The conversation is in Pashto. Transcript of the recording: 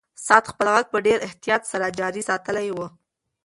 ساعت خپل غږ په ډېر احتیاط سره جاري ساتلی و.